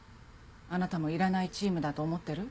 あなたもいらないチームだと思ってる？